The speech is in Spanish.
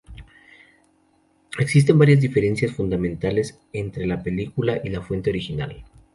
Existen varias diferencias fundamentales entre la película y la fuente original.